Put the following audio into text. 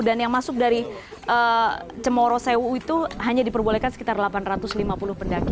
dan yang masuk dari cemoro sewu itu hanya diperbolehkan sekitar delapan ratus lima puluh pendaki